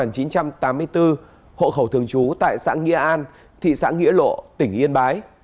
năm một nghìn chín trăm tám mươi bốn hộ khẩu thường trú tại xã nghĩa an thị xã nghĩa lộ tỉnh yên bái